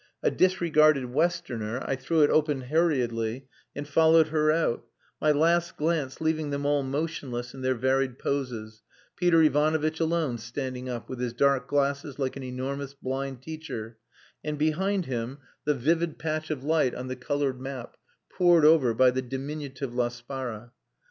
A disregarded Westerner, I threw it open hurriedly and followed her out, my last glance leaving them all motionless in their varied poses: Peter Ivanovitch alone standing up, with his dark glasses like an enormous blind teacher, and behind him the vivid patch of light on the coloured map, pored over by the diminutive Laspara.